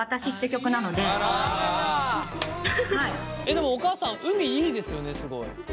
でもお母さん海いいですよねすごい。